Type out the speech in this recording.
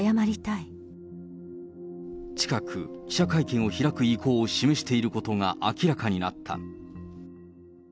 近く、記者会見を開く意向を示していることが明らかになった。